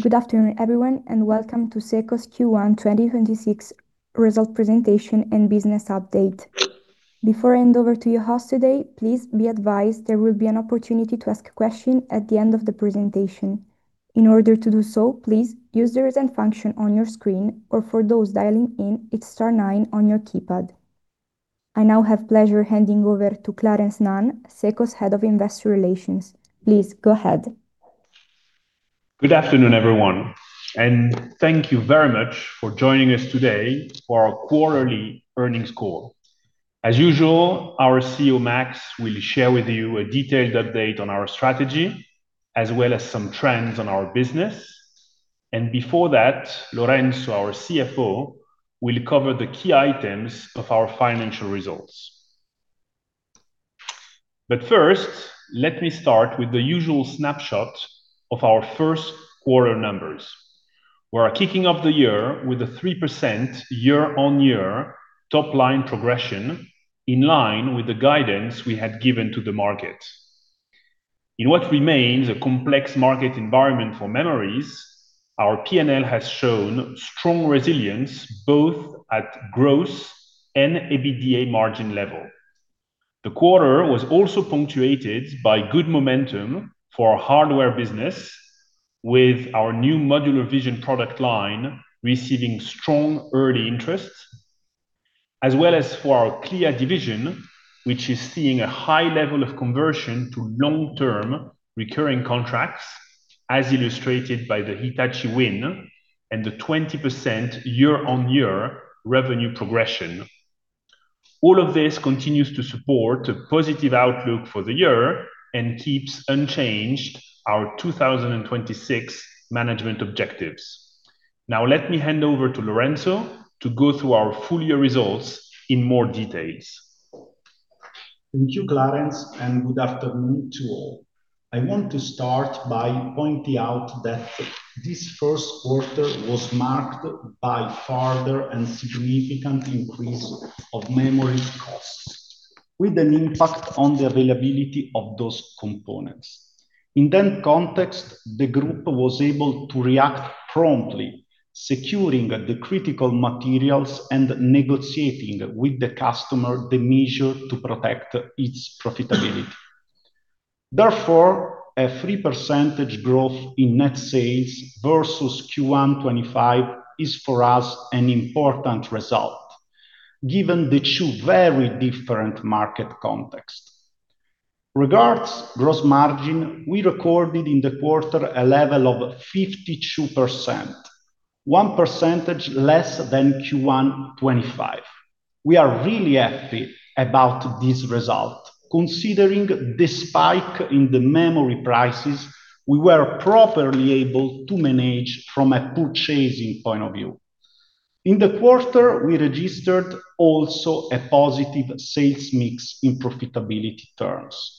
Good afternoon, everyone. Welcome to SECO's Q1 2026 Result Presentation and Business Update. Before I hand over to your host today, please be advised there will be an opportunity to ask a question at the end of the presentation. In order to do so, please use the "raise hand" function on your screen, or for those dialing in, it's star nine on your keypad. I now have pleasure handing over to Clarence Nan, SECO's Head of Investor Relations. Please go ahead. Good afternoon, everyone, and thank you very much for joining us today for our quarterly earnings call. As usual, our CEO, Max, will share with you a detailed update on our strategy, as well as some trends on our business. Before that, Lorenzo, our CFO, will cover the key items of our financial results. First, let me start with the usual snapshot of our first quarter numbers. We are kicking off the year with a 3% year-on-year top line progression in line with the guidance we had given to the market. In what remains a complex market environment for memories, our P&L has shown strong resilience both at gross and EBITDA margin level. The quarter was also punctuated by good momentum for our hardware business with our new Modular Vision product line receiving strong early interest, as well as for our Clea division, which is seeing a high level of conversion to long-term recurring contracts, as illustrated by the Hitachi win and the 20% year-on-year revenue progression. All of this continues to support a positive outlook for the year and keeps unchanged our 2026 management objectives. Now let me hand over to Lorenzo to go through our full year results in more details. Thank you, Clarence, and good afternoon to all. I want to start by pointing out that this first quarter was marked by further and significant increase of memory costs with an impact on the availability of those components. In that context, the group was able to react promptly, securing the critical materials and negotiating with the customer the measure to protect its profitability. Therefore, a 3% growth in net sales versus Q1 2025 is for us an important result given the two very different market context. Regards gross margin, we recorded in the quarter a level of 52%, 1% less than Q1 2025. We are really happy about this result. Considering the spike in the memory prices, we were properly able to manage from a purchasing point of view. In the quarter, we registered also a positive sales mix in profitability terms.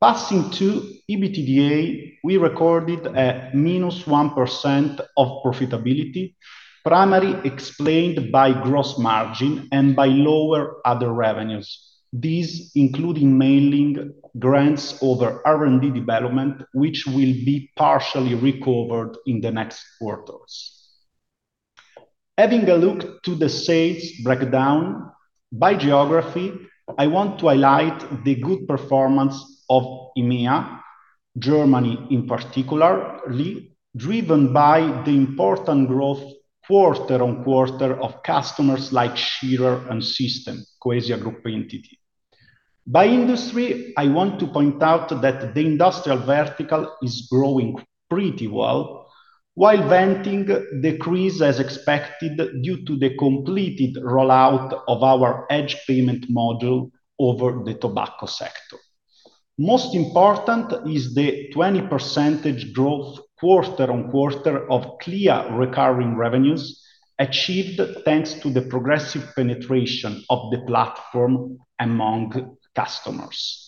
Passing to EBITDA, we recorded a -1% of profitability, primarily explained by gross margin and by lower other revenues. These including matching grants over R&D development, which will be partially recovered in the next quarters. Having a look to the sales breakdown by geography, I want to highlight the good performance of EMEA, Germany in particular, driven by the important growth quarter-on-quarter of customers like Schaerer and System, Coesia Group entity. By industry, I want to point out that the industrial vertical is growing pretty well, while vending decrease as expected due to the completed rollout of our edge payment model over the tobacco sector. Most important is the 20% growth quarter-on-quarter of Clea recurring revenues achieved thanks to the progressive penetration of the platform among customers.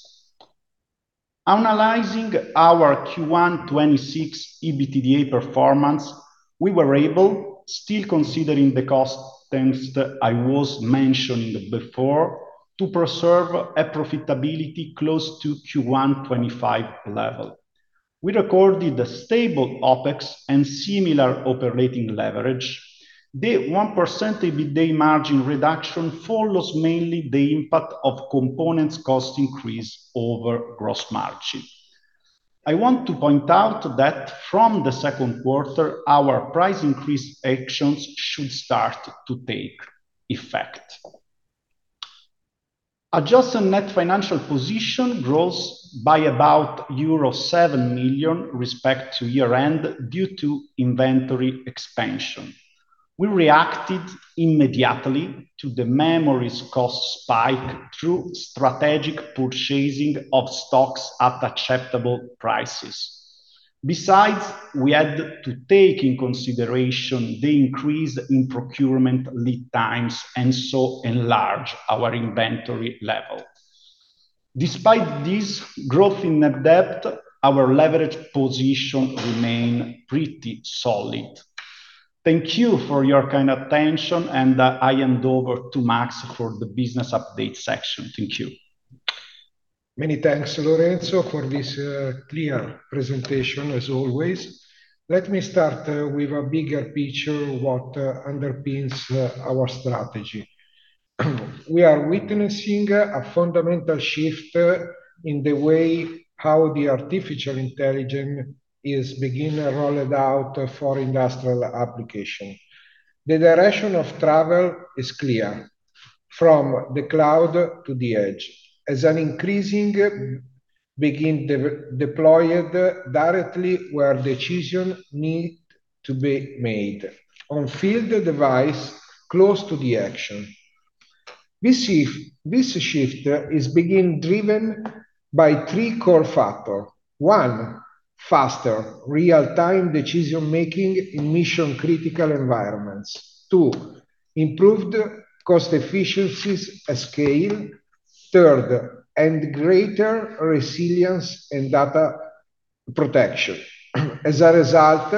Analyzing our Q1 2026 EBITDA performance, we were able, still considering the cost trends that I was mentioning before, to preserve a profitability close to Q1 2025 level. We recorded a stable OpEx and similar operating leverage. The 1% EBITDA margin reduction follows mainly the impact of components cost increase over gross margin. I want to point out that from the second quarter, our price increase actions should start to take effect. Adjusted net financial position grows by about euro 7 million respect to year-end due to inventory expansion. We reacted immediately to the memory cost spike through strategic purchasing of stocks at acceptable prices. Besides, we had to take in consideration the increase in procurement lead times, and so enlarge our inventory level. Despite this growth in net debt, our leverage position remain pretty solid. Thank you for your kind attention. I hand over to Max for the business update section. Thank you. Many thanks, Lorenzo, for this clear presentation as always. Let me start with a bigger picture what underpins our strategy. We are witnessing a fundamental shift in the way how the artificial intelligence is being rolled out for industrial application. The direction of travel is clear. From the cloud to the edge. As an increasing deployed directly where decision need to be made on field device close to the action. This shift is being driven by three core factor. One, faster real-time decision-making in mission critical environments. Two, improved cost efficiencies at scale. Third, and greater resilience and data protection. As a result,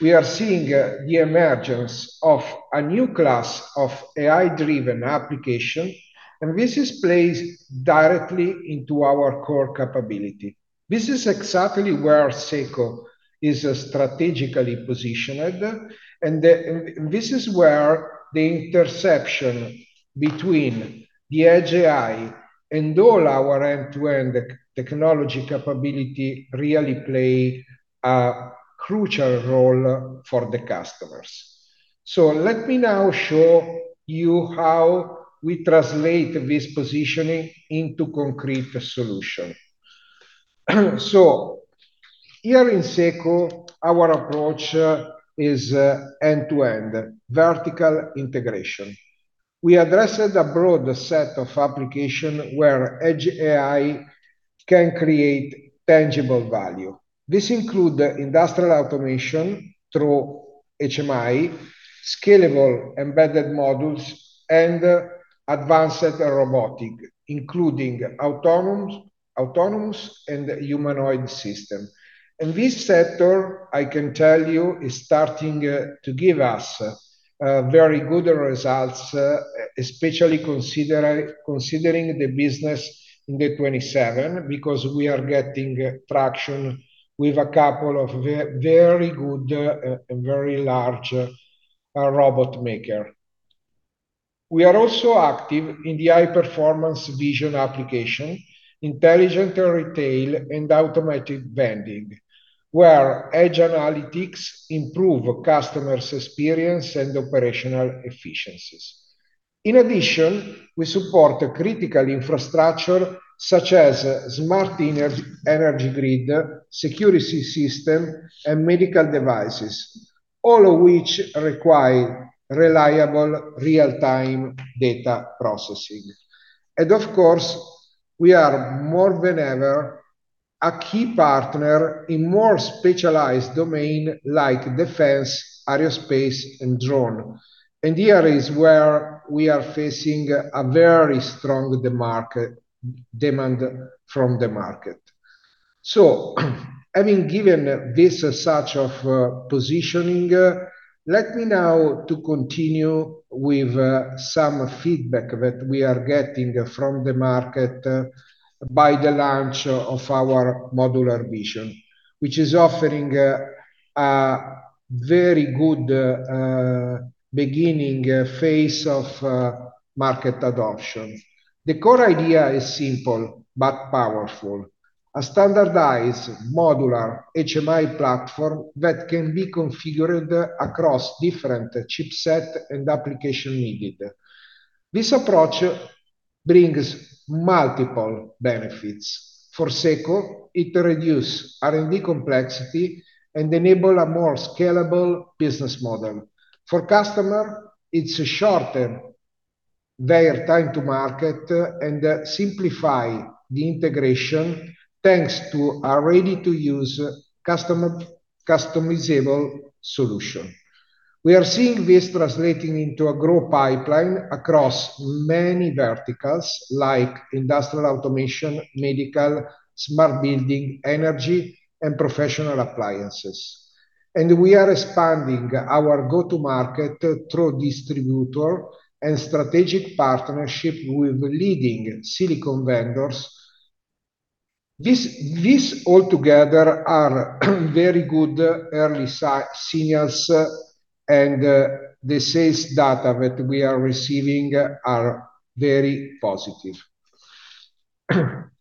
we are seeing the emergence of a new class of AI-driven application, and this is placed directly into our core capability. This is exactly where SECO is strategically positioned, and this is where the intersection between the Edge AI and all our end-to-end technology capability really play a crucial role for the customers. Let me now show you how we translate this positioning into concrete solution. Here in SECO, our approach is end-to-end vertical integration. We addresses a broad set of application where Edge AI can create tangible value. This include industrial automation through HMI, scalable embedded models, and advanced robotic, including autonomous and humanoid system. This sector, I can tell you, is starting to give us very good results, especially considering the business in the 2027 because we are getting traction with a couple of very good, very large, robot maker. We are also active in the high-performance vision application, intelligent retail, and automatic vending, where Edge AI improve customers' experience and operational efficiencies. In addition, we support critical infrastructure such as smart energy grid, security system, and medical devices, all of which require reliable real-time data processing. Of course, we are more than ever a key partner in more specialized domain like defense, aerospace, and drone. Here is where we are facing a very strong [market], demand from the market. Having given this such of positioning, let me now to continue with some feedback that we are getting from the market by the launch of our Modular Vision, which is offering a very good beginning phase of market adoption. The core idea is simple but powerful. A standardized modular HMI platform that can be configured across different chipset and application needed. This approach brings multiple benefits. For SECO, it reduces R&D complexity and enable a more scalable business model. For customer, it shorten their time to market and simplify the integration thanks to a ready-to-use customizable solution. We are seeing this translating into a grow pipeline across many verticals like industrial automation, medical, smart building, energy, and professional appliances. We are expanding our go-to-market through distributor and strategic partnership with leading silicon vendors. This altogether are very good early signals, the sales data that we are receiving are very positive.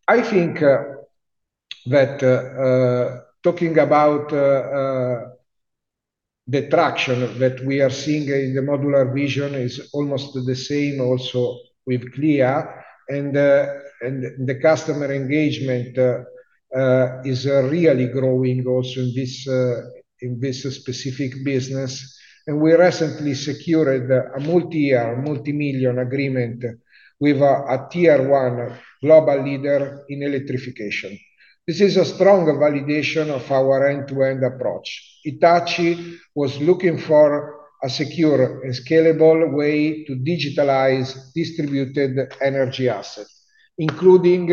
I think that talking about the traction that we are seeing in the Modular Vision is almost the same also with Clea and the customer engagement is really growing also in this specific business. We recently secured a multi-year, multi-million agreement with a Tier 1 global leader in electrification. This is a strong validation of our end-to-end approach. Hitachi was looking for a secure and scalable way to digitalize distributed energy assets, including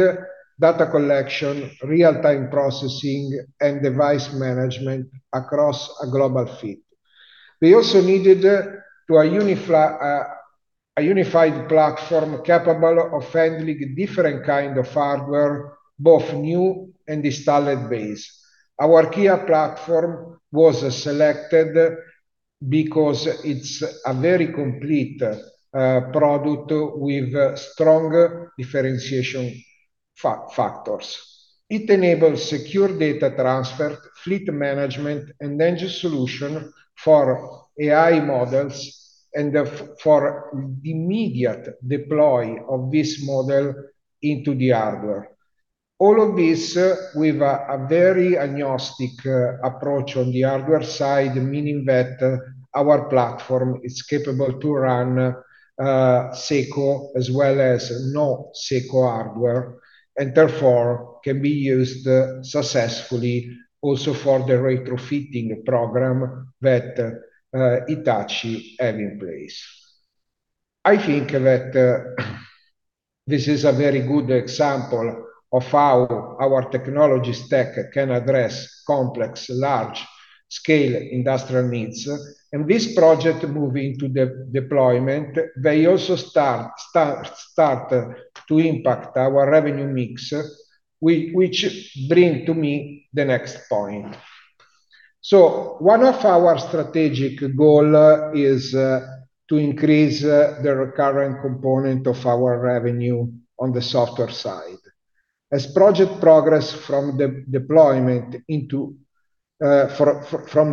data collection, real-time processing, and device management across a global fleet. They also needed a unified platform capable of handling different kind of hardware, both new and installed base. Our Clea platform was selected because it's a very complete product with strong differentiation factors. It enables secure data transfer, fleet management, and edge solution for AI models and for immediate deploy of this model into the hardware. All of this with a very agnostic approach on the hardware side, meaning that our platform is capable to run SECO as well as not SECO hardware, and therefore can be used successfully also for the retrofitting program that Hitachi have in place. I think that this is a very good example of how our technology stack can address complex, large scale industrial needs. This project moving to deployment, they also start to impact our revenue mix, which bring to me the next point. One of our strategic goal is to increase the recurring component of our revenue on the software side. As project progress from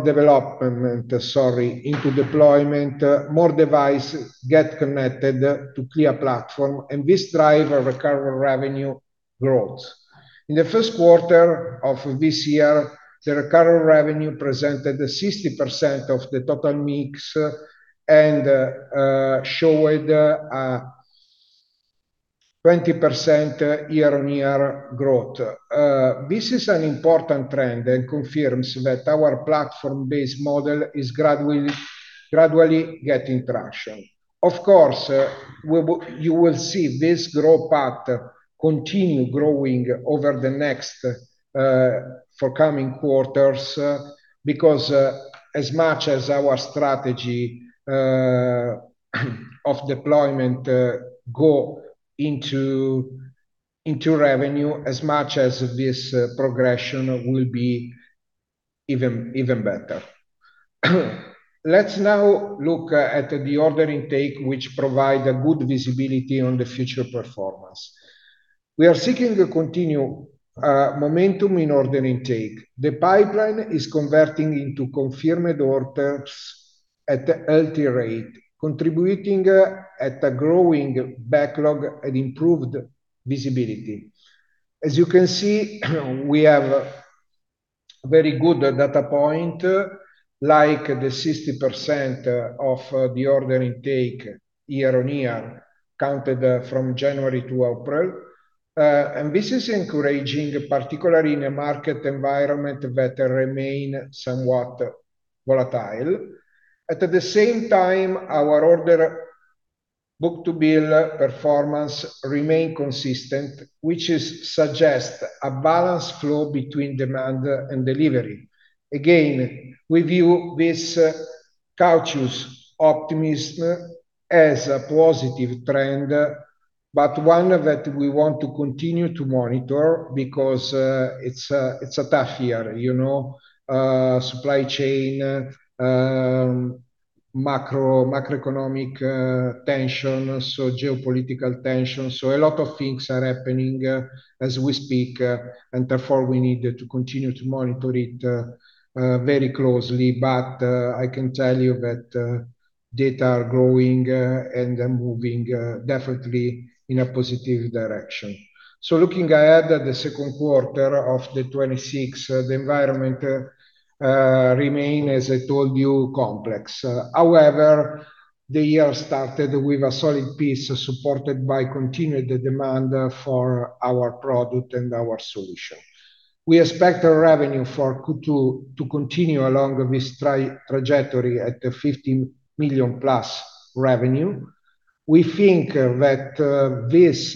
development into deployment, more devices get connected to Clea platform, and this drives a recurring revenue growth. In the first quarter of this year, the recurring revenue presented 60% of the total mix and showed 20% year-on-year growth. This is an important trend and confirms that our platform-based model is gradually getting traction. Of course, you will see this growth path continue growing over the next forthcoming quarters, because as much as our strategy of deployment goes into revenue, as much as this progression will be even better. Let's now look at the order intake, which provides good visibility on the future performance. We are seeking to continue momentum in order intake. The pipeline is converting into confirmed orders at a healthy rate, contributing at a growing backlog and improved visibility. As you can see, we have very good data point, like the 60% of the order intake year-over-year, counted from January to April. This is encouraging, particularly in a market environment that remain somewhat volatile. At the same time, our order book-to-bill performance remain consistent, which is suggest a balanced flow between demand and delivery. Again, we view this cautious optimism as a positive trend, but one that we want to continue to monitor because it's a tough year, you know. Supply chain, macroeconomic tension, so geopolitical tension. A lot of things are happening as we speak, and therefore we need to continue to monitor it very closely. I can tell you that data are growing and moving definitely in a positive direction. Looking ahead at the second quarter of 2026, the environment remain, as I told you, complex. However, the year started with a solid pace, supported by continued demand for our product and our solution. We expect our revenue to continue along this trajectory at a 15+ million revenue. We think that this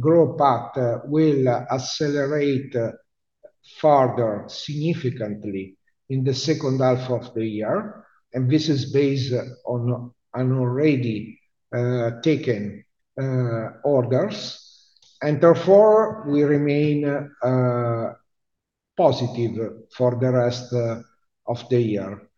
growth path will accelerate further significantly in the second half of the year, and this is based on an already taken orders, and therefore we remain positive for the rest of the year.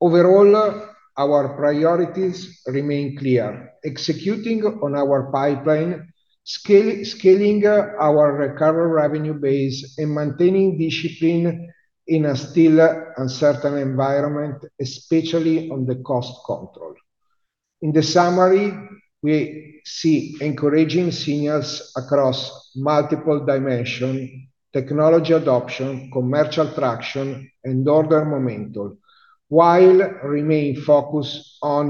Overall, our priorities remain clear: executing on our pipeline, scaling our recurring revenue base, and maintaining discipline in a still uncertain environment, especially on the cost control. In the summary, we see encouraging signals across multiple dimensions: technology adoption, commercial traction, and order momentum, while remain focused on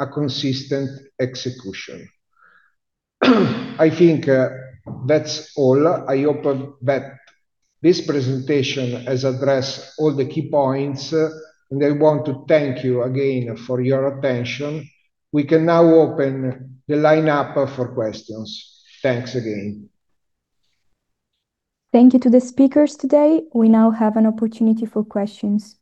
a consistent execution. I think that's all. I hope that this presentation has addressed all the key points, and I want to thank you again for your attention. We can now open the line up for questions. Thanks again. Thank you to the speakers today. We now have an opportunity for questions.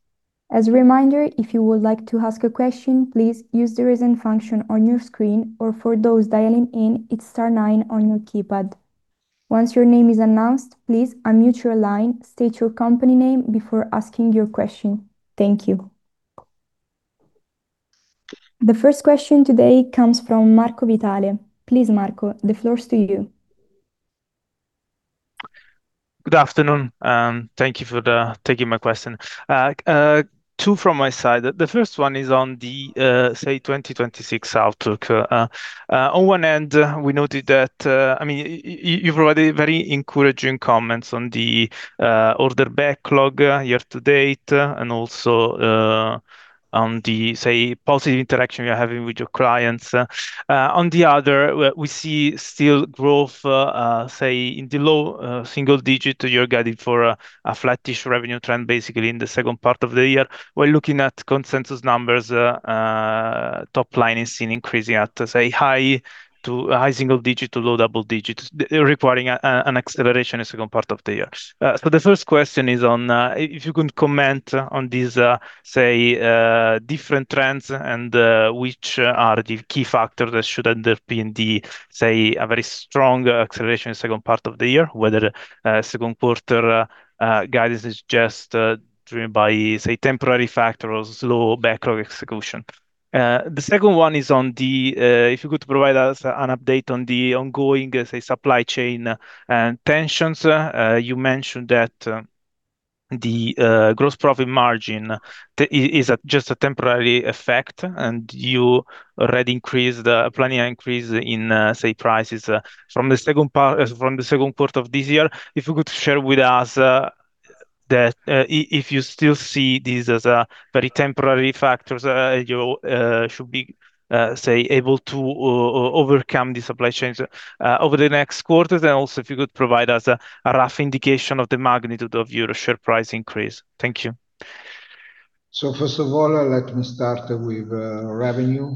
As a reminder, if you would like to ask a question, please use the raise hand function on your screen or for those dialing in, it's star nine in your keypad. Once your name is announced, please unmute your line, state your company name before asking your question. Thank you. The first question today comes from [Marco Vitale]. Please, Marco, the floor is to you. Good afternoon. Thank you for the taking my question. Two from my side. The first one is on the, say, 2026 outlook. On one end, we noted that, I mean, you provided very encouraging comments on the order backlog year to date. And also, on the, say, positive interaction you're having with your clients. On the other, we see still growth, say, in the low single-digit you're guiding for a flattish revenue trend basically in the second part of the year. We're looking at consensus numbers, top line is seen increasing at, say, high to high single-digit to low double-digits, requiring an acceleration in second part of the year. The first question is on if you can comment on these, say, different trends and which are the key factors that should end up being the, say, a very strong acceleration in second part of the year, whether second quarter guidance is just driven by, say, temporary factors, low backlog execution. The second one is on the if you could provide us an update on the ongoing, say, supply chain tensions. You mentioned that the gross profit margin is a just a temporary effect, and you already increased planning an increase in, say, prices from the second part, from the second quarter of this year. If you could share with us, that, if you still see this as a very temporary factor, you should be, say, able to overcome the supply chains, over the next quarters, and also if you could provide us a rough indication of the magnitude of your share price increase. Thank you. First of all, let me start with revenue.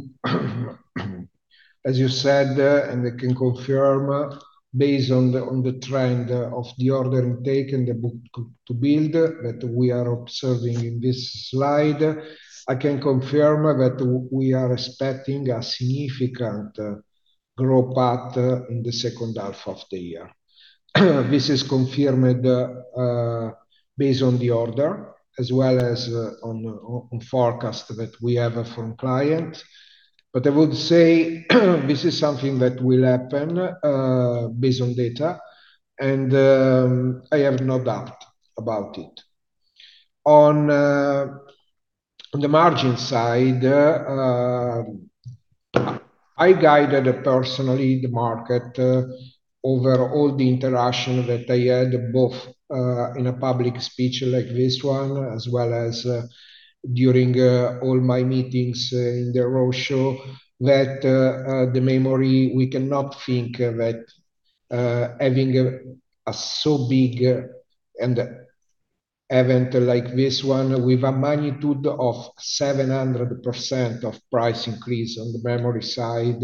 As you said, and I can confirm, based on the trend of the order intake and the book-to-bill that we are observing in this slide, I can confirm that we are expecting a significant growth path in the second half of the year. This is confirmed, based on the order as well as, on forecast that we have from client. I would say, this is something that will happen, based on data, and I have no doubt about it. On the margin side, I guided personally the market over all the interaction that I had, both in a public speech like this one, as well as during all my meetings in the roadshow, that the memory, we cannot think that having a so big and event like this one with a magnitude of 700% of price increase on the memory side,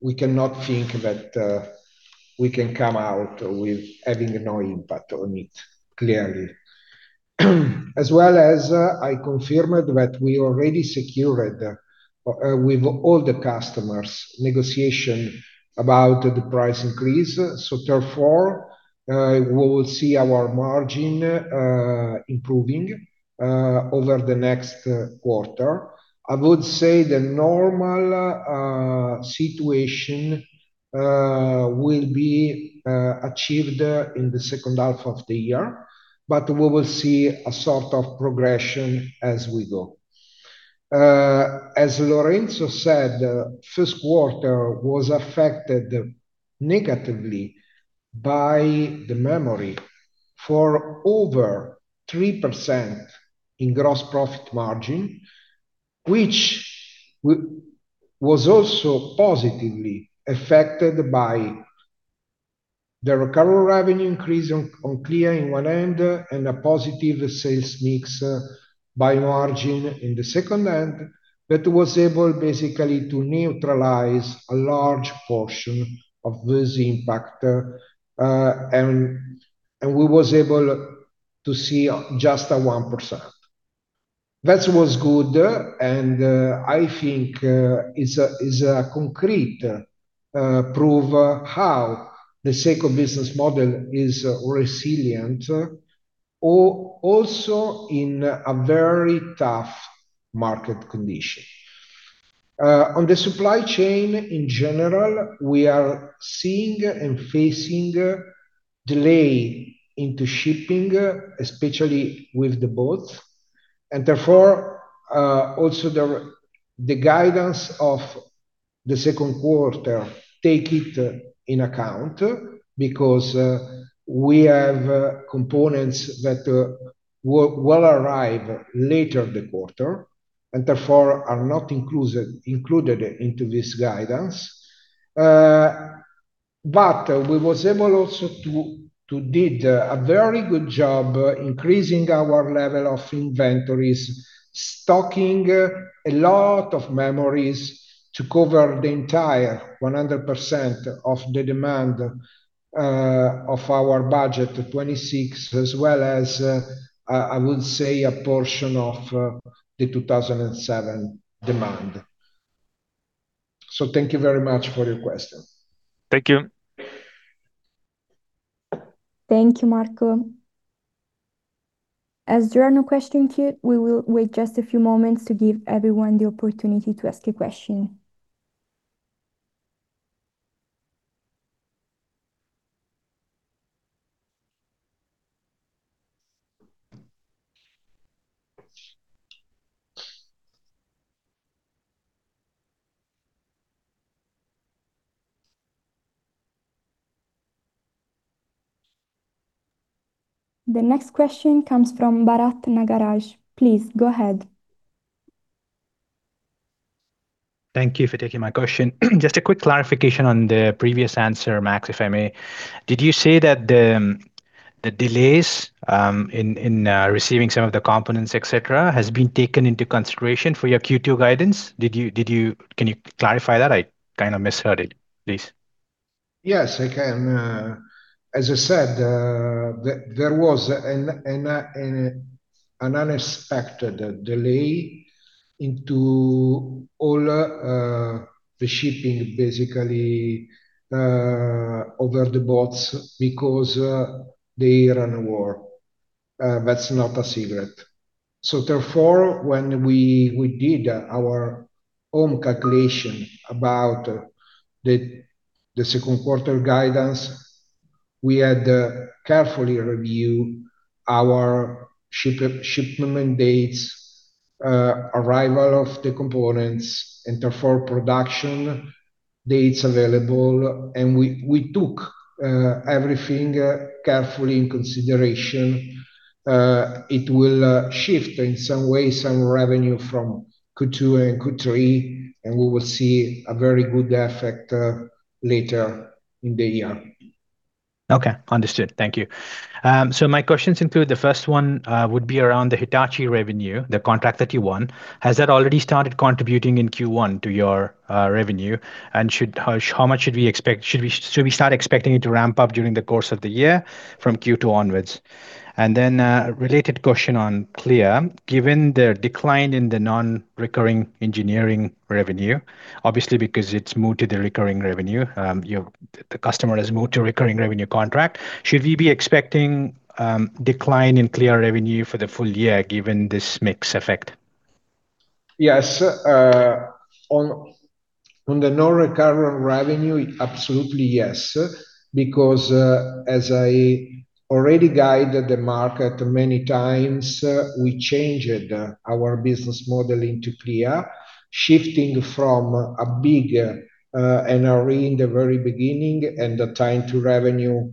we cannot think that we can come out with having no impact on it, clearly. As well as, I confirmed that we already secured with all the customers negotiation about the price increase. Therefore, we will see our margin improving over the next quarter. I would say the normal situation will be achieved in the second half of the year, but we will see a sort of progression as we go. As Lorenzo said, first quarter was affected negatively by the memory for over 3% in gross profit margin, which was also positively affected by the recurrent revenue increase on Clea in one end and a positive sales mix by margin in the second end, that was able basically to neutralize a large portion of this impact. We was able to see just a 1%. That was good, and I think is a, is a concrete proof how the SECO business model is resilient or also in a very tough market condition. On the supply chain in general, we are seeing and facing delay into shipping, especially with the boats, also the guidance of the second quarter take it in account because we have components that will arrive later the quarter. And therefore are not included into this guidance. We was able also to did a very good job increasing our level of inventories, stocking a lot of memories to cover the entire 100% of the demand of our budget to 2026, as well as I would say a portion of the 2007 demand. Thank you very much for your question. Thank you. Thank you, Marco. As there are no question queue, we will wait just a few moments to give everyone the opportunity to ask a question. The next question comes from Bharath Nagaraj. Please, go ahead. Thank you for taking my question. Just a quick clarification on the previous answer, Max, if I may. Did you say that the delays in receiving some of the components, et cetera, has been taken into consideration for your Q2 guidance? Can you clarify that? I kind of misheard it, please. Yes, I can. as I said, there was an unexpected delay into all the shipping, basically, over the boats because, there are no war. That's not a secret. Therefore, when we did our own calculation about the second quarter guidance, we had to carefully review our shipment dates, arrival of the components, and therefore production dates available, and we took everything carefully in consideration. It will shift in some way some revenue from Q2 and Q3, and we will see a very good effect later in the year. Okay. Understood. Thank you. My questions include, the first one, would be around the Hitachi revenue, the contract that you won. Has that already started contributing in Q1 to your revenue, and How much should we expect? Should we start expecting it to ramp up during the course of the year from Q2 onwards? Then a related question on Clea. Given the decline in the non-recurring engineering revenue, obviously because it's moved to the recurring revenue, the customer has moved to recurring revenue contract, should we be expecting decline in Clea revenue for the full year given this mix effect? Yes. On the non-recurring revenue, absolutely yes because as I already guided the market many times, we changed our business model into Clea, shifting from a big NRE in the very beginning and the time to revenue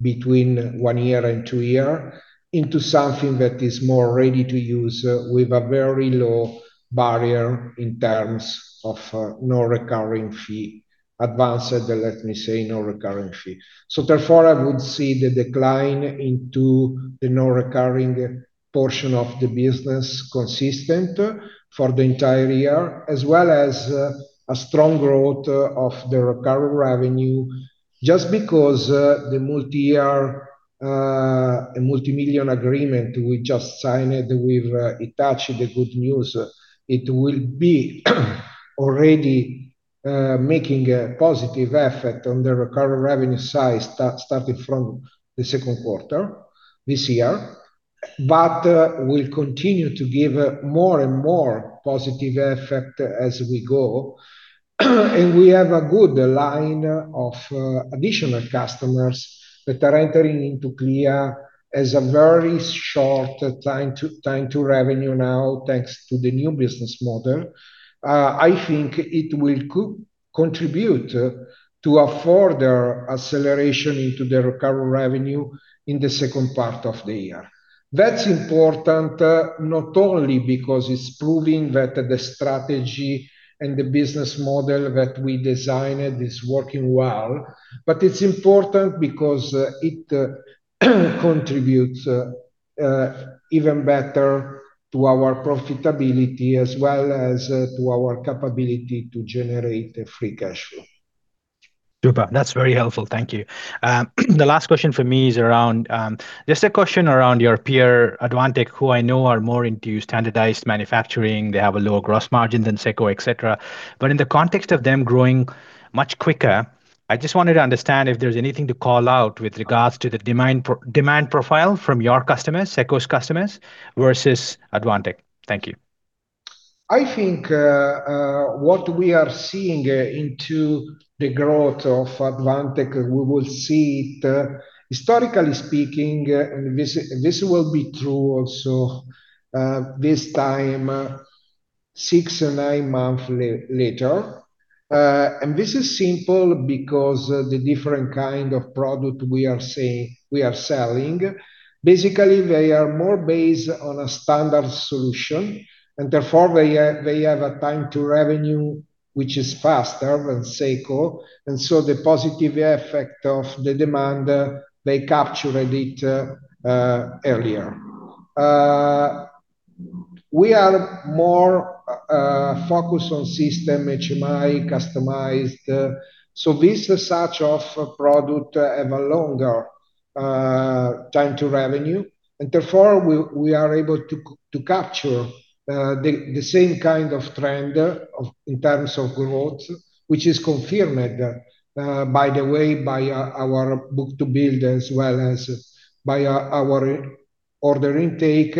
between one year and two years into something that is more ready-to-use with a very low barrier in terms of no recurring fee. Advanced, let me say, no recurring fee. Therefore, I would see the decline into the no recurring portion of the business consistent for the entire year, as well as a strong growth of the recurring revenue. Just because the multi-year, multi-million agreement we just signed with Hitachi, the good news, it will be already making a positive effect on the recurring revenue side starting from the second quarter this year. We'll continue to give more and more positive effect as we go. We have a good line of additional customers that are entering into Clea as a very short time to revenue now, thanks to the new business model. I think it will contribute to a further acceleration into the recurring revenue in the second part of the year. That's important, not only because it's proving that the strategy and the business model that we designed is working well, but it's important because it contributes even better to our profitability as well as to our capability to generate the free cash flow. Super. That's very helpful. Thank you. The last question from me is around, just a question around your peer Advantech, who I know are more into standardized manufacturing. They have a lower gross margin than SECO, et cetera. In the context of them growing much quicker, I just wanted to understand if there's anything to call out with regards to the demand profile from your customers, SECO's customers versus Advantech. Thank you. I think, what we are seeing into the growth of Advantech, we will see it, historically speaking, and this will be true also, this time, six or nine months later. This is simple because the different kind of product we are selling. Basically, they are more based on a standard solution, therefore they have a time to revenue which is faster than SECO. The positive effect of the demand, they captured it earlier. We are more focused on system HMI customized. This is such of a product have a longer time to revenue, and therefore we are able to capture the same kind of trend of in terms of growth, which is confirmed by the way, by our book-to-bill, as well as by our order intake.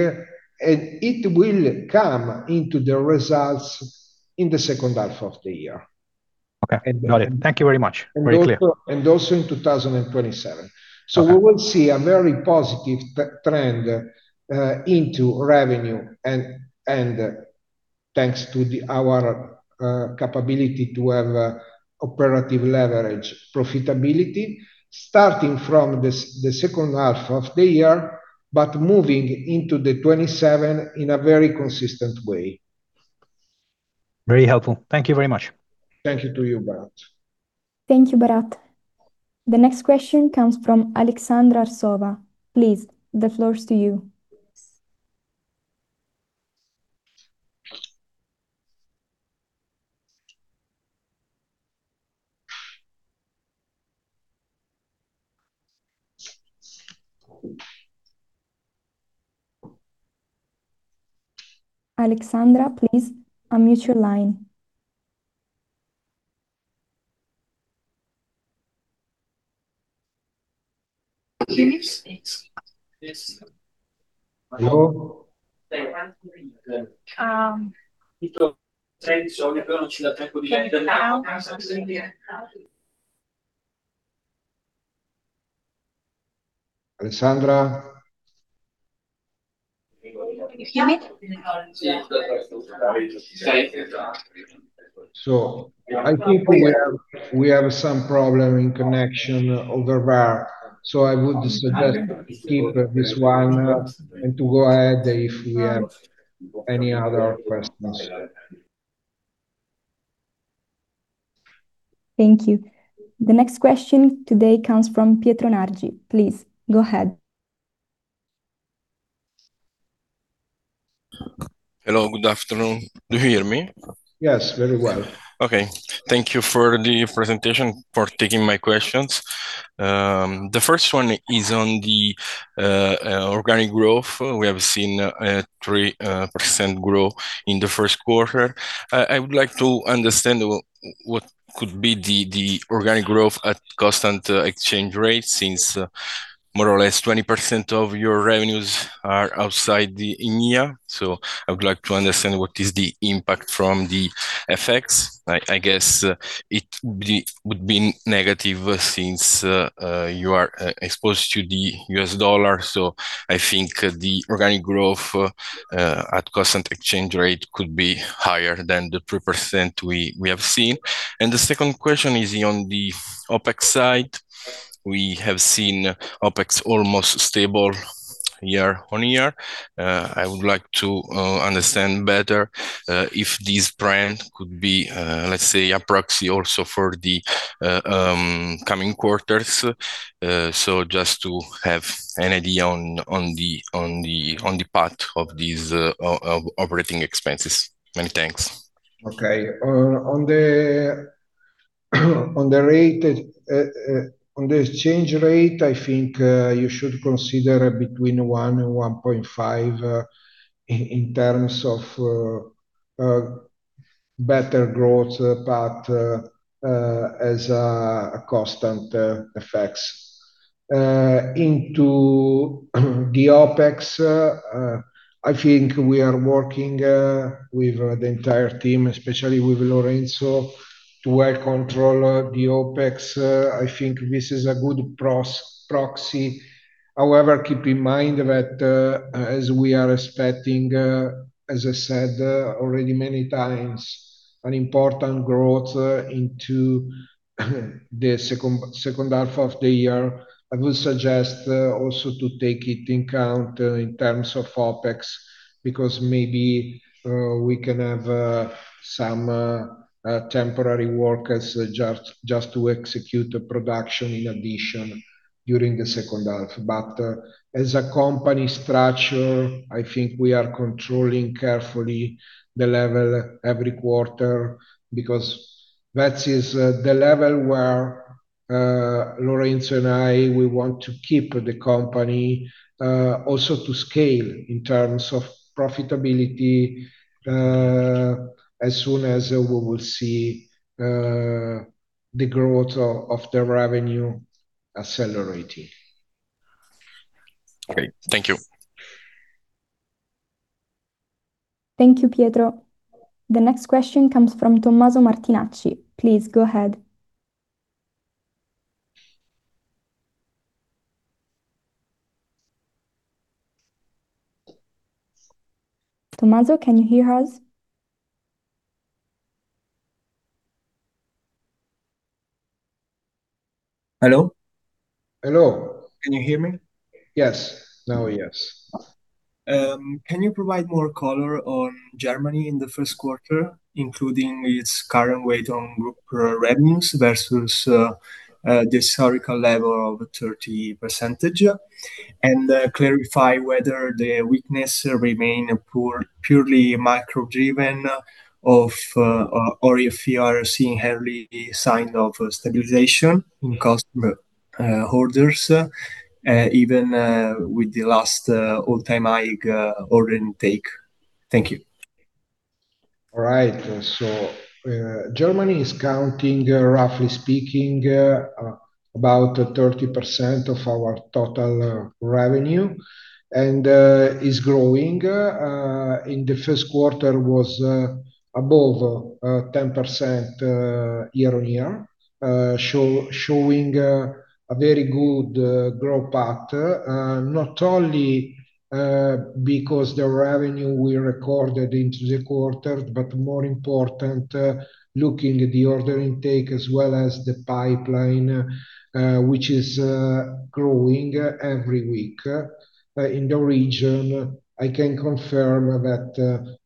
It will come into the results in the second half of the year. Okay. Got it. And also- Thank you very much. Very clear. Also in 2027. Okay. We will see a very positive trend into revenue and thanks to our capability to have operative leverage profitability starting from the second half of the year but moving into 2027 in a very consistent way. Very helpful. Thank you very much. Thank you to you, Bharath. Thank you, Bharath. The next question comes from Aleksandra Arsova. Please, the floor is to you. Aleksandra, please unmute your line. Hello? Alexandra? If you mute. I think we have some problem in connection over there, so I would suggest skip this one and to go ahead if we have any other questions. Thank you. The next question today comes from Pietro Nargi. Please, go ahead. Hello. Good afternoon. Do you hear me? Yes, very well. Okay. Thank you for the presentation, for taking my questions. The first one is on the organic growth. We have seen 3% growth in the first quarter. I would like to understand what could be the organic growth at constant exchange rate since more or less 20% of your revenues are outside the EMEA. I would like to understand what is the impact from the effects. I guess it would be negative since you are exposed to the U.S. dollar. I think the organic growth at constant exchange rate could be higher than the 3% we have seen. The second question is on the OpEx side. We have seen OpEx almost stable year-on-year. I would like to understand better if this trend could be, let's say, a proxy also for the coming quarters. Just to have an idea on the path of these operating expenses. Many thanks. Okay. On the exchange rate, I think you should consider between 1% and 1.5% in terms of better growth, but as a constant effects. Into the OpEx, I think we are working with the entire team, especially with Lorenzo, to well control the OpEx. I think this is a good proxy. However, keep in mind that as we are expecting, as I said already many times, an important growth into the second half of the year, I would suggest also to take it in count in terms of OpEx, because maybe we can have some temporary workers just to execute the production in addition during the second half. As a company structure, I think we are controlling carefully the level every quarter because that is the level where Lorenzo and I, we want to keep the company also to scale in terms of profitability, as soon as we will see the growth of the revenue accelerating. Okay. Thank you. Thank you, Pietro. The next question comes from Tommaso Martinacci. Please go ahead. Tommaso, can you hear us? Hello? Hello. Can you hear me? Yes. Now yes. Can you provide more color on Germany in the first quarter, including its current weight on group revenues versus the historical level of 30%? Clarify whether the weakness remain purely micro-driven or if you are seeing early sign of stabilization in customer orders, even with the last all-time high order intake. Thank you. All right. Germany is counting, roughly speaking, about 30% of our total revenue, and is growing. In the first quarter was above 10% year-on-year. Showing a very good growth path. Not only because the revenue we recorded into the quarter, but more important, looking at the order intake as well as the pipeline, which is growing every week in the region. I can confirm that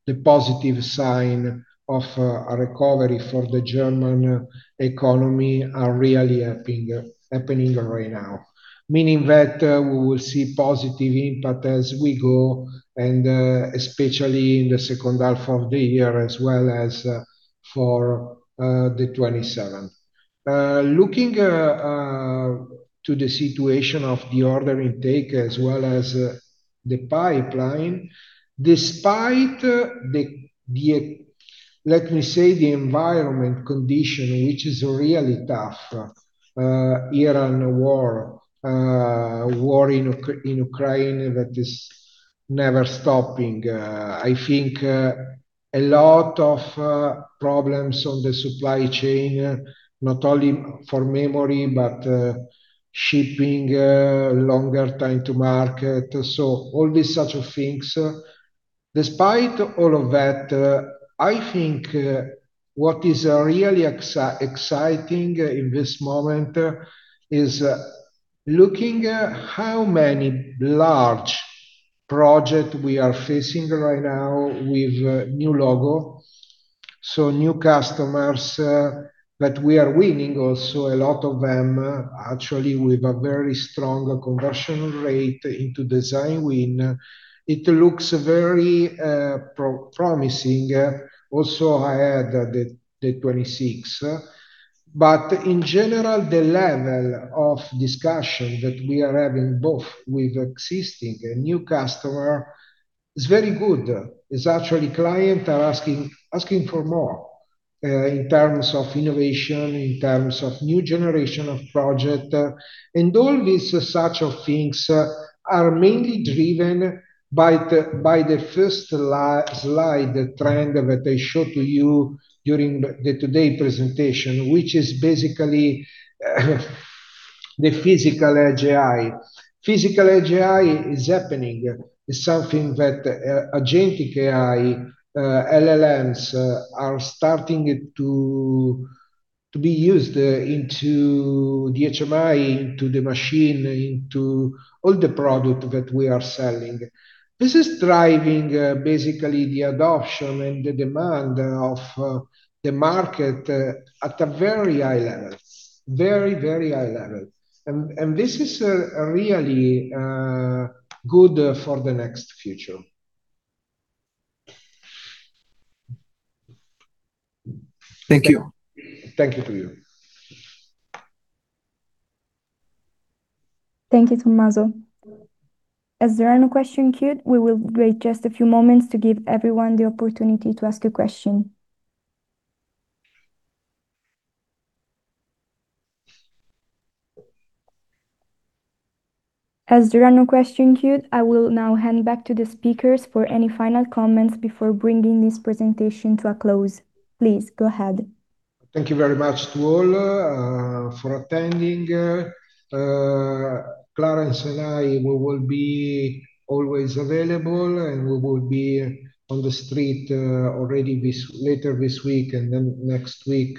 the positive sign of a recovery for the German economy are really happening right now. Meaning that we will see positive impact as we go and especially in the second half of the year as well as for the 2027. Looking to the situation of the order intake as well as the pipeline, despite the, let me say, the environment condition, which is really tough here on the war in Ukraine that is never stopping. I think a lot of problems on the supply chain, not only for memory, but shipping longer time to market. All these types of things. Despite all of that, I think what is really exciting in this moment is looking at how many large project we are facing right now with a new logo, so new customers that we are winning also a lot of them actually with a very strong conversion rate into design win. It looks very promising. Also I add the 2026. In general, the level of discussion that we are having both with existing and new customer is very good. It's actually client are asking for more in terms of innovation, in terms of new generation of project. All these types of things are mainly driven by the first slide, the trend that I showed to you during the today presentation, which is basically the physical AGI. Physical AGI is happening. It's something that agentic AI, LLMs, are starting to be used into the HMI, into the machine, into all the product that we are selling. This is driving basically the adoption and the demand of the market at a very high level. Very high level. This is a really good for the next future. Thank you. Thank you to you. Thank you, Tommaso. As there are no question queued, we will wait just a few moments to give everyone the opportunity to ask a question. As there are no question queued, I will now hand back to the speakers for any final comments before bringing this presentation to a close. Please go ahead. Thank you very much to all for attending. Clarence and I, we will be always available, and we will be on the street already this, later this week and then next week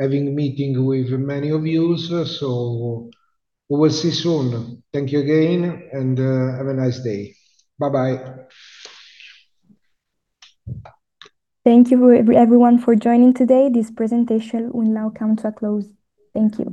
having a meeting with many of you. We will see you soon. Thank you again, and have a nice day. Bye bye. Thank you everyone for joining today. This presentation will now come to a close. Thank you.